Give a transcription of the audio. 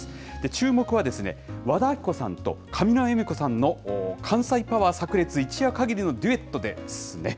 注目は、和田アキ子さんと上沼恵美子さんの関西パワーさく裂、一夜限りのデュエットですね。